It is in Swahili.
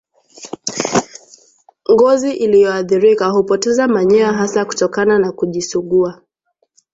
Ngozi iliyoathirika hupoteza manyoya hasa kutokana na kujisugua